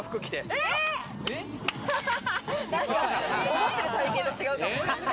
思ってる体型と違うかも。